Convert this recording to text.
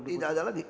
tidak ada lagi